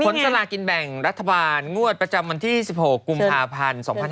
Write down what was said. สลากินแบ่งรัฐบาลงวดประจำวันที่๑๖กุมภาพันธ์๒๕๕๙